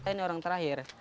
ini orang terakhir